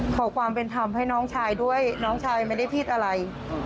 ขอความเป็นธรรมให้น้องชายด้วยน้องชายไม่ได้พูดอะไร